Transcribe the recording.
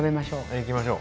いきましょう。